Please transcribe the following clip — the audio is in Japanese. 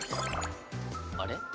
あれ？